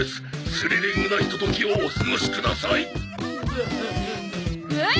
「スリリングなひとときをお過ごしください」おお！